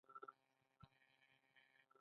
سکندر لودي اګره ښار جوړ کړ.